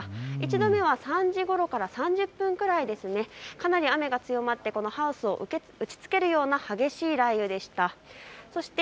１度目は３時ごろから３０分ぐらいかなり雨が強まってハウスを打ちつけるような激しい雷雨でした。